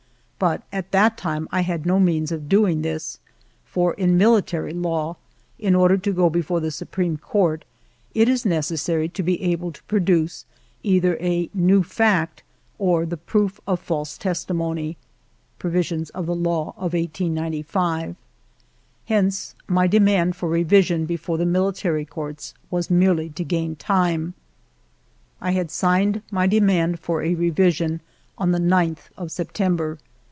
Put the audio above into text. But at that time I had no means of doing this, for in military law, in order to go before the Supreme Court, it is necessary to be able to pro duce either a new fact or the proof of false testimony (Provisions of the Law of 1895). Hence my demand for revision before the military courts was merely to gain time. I had signed my demand for a revision on the 9th of September.